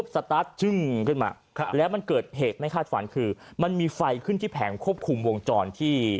สตาร์ทชึ่งขึ้นมาแล้วมันเกิดเหตุไม่คาดฝันคือมันมีไฟขึ้นที่แผงควบคุมวงจรที่